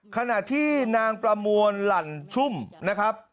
ขณะที่นางประมวลหลั่นชุ่มนะครับ